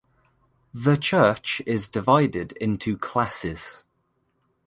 The church is divided into classes.